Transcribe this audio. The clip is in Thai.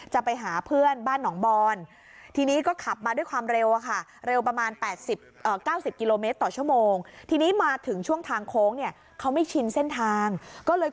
จะไปหาเพื่อนบ้านหนองบอล